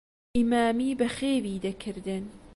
ئیمامی بەخێوی دەکردن.